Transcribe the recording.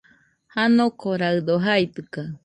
Janokoraɨdo jaitɨkaɨ.